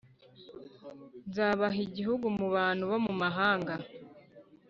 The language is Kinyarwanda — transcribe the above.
Nzabaha igihugu mu bantu bo mu mahanga